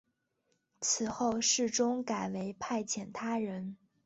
此后世宗改为派遣他人。